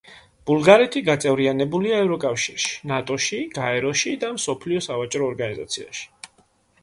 ბულგარეთი გაწევრიანებულია ევროკავშირში, ნატოში, გაეროში და მსოფლიო სავაჭრო ორგანიზაციაში.